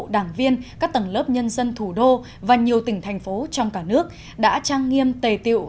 đảng viên các tầng lớp nhân dân thủ đô và nhiều tỉnh thành phố trong cả nước đã trang nghiêm tề tiệu